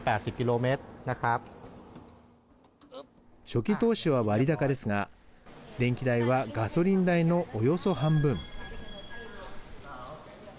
初期投資は割高ですが電気代はガソリン代のおよそ半分。